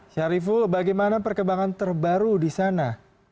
syariful bagaimana perkembangan terbaru di sana